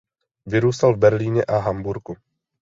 Vyrůstal v Berlíně a Hamburku.